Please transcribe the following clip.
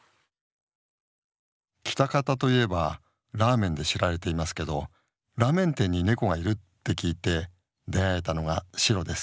喜多方といえばラーメンで知られていますけどラーメン店にネコがいるって聞いて出会えたのがしろです。